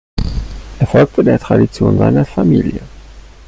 Er folgte der Tradition seiner Familie.